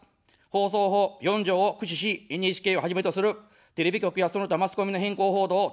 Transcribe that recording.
放送法４条を駆使し、ＮＨＫをはじめとするテレビ局や、その他マスコミの偏向報道をただす。